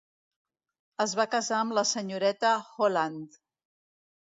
Es va casar amb la senyoreta Holland.